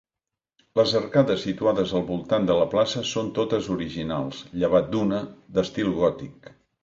Les arcades situades al voltant de la plaça són totes originals, llevat d'una, d'estil gòtic.